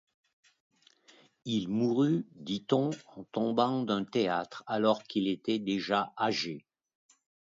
Il mourut — dit-on — en tombant d'un théâtre, alors qu'il était déjà âgé.